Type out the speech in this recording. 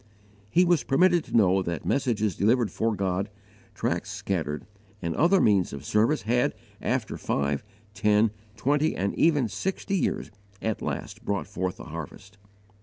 He was permitted to know that messages delivered for God, tracts scattered, and other means of service had, after five, ten, twenty, and even sixty years, at last brought forth a harvest.